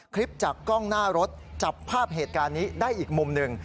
คลิปจากกล้องหน้ารถจับภาพเหตุการณ์นี้ได้อีกมุมหนึ่ง